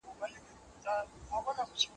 زه پوهېږم په دوږخ کي صوبه دار دئ